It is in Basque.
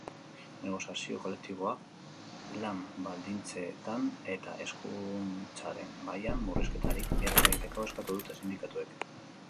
Negoziazio kolektiboak lan baldintzetan eta hezkuntzaren mailan murrizketarik ez eragiteko eskatu dute sindikatuek.